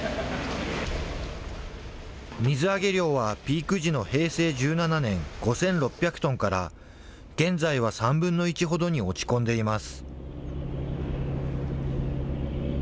水揚げ量はピーク時の平成１７年、５６００トンから、現在は３分の１ほどに落ち込んでいます。